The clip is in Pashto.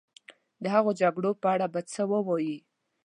د هغو جګړو په اړه به څه ووایې.